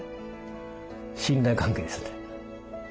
信頼関係ですね。